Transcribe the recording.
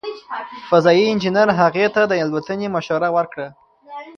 فضايي انجنیر هغې ته د الوتنې مشوره ورکړه.